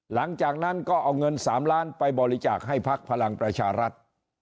หลังจากนั้นก็เอาเงิน๓ล้านไปบริจาคให้พักพลังประชารัฐ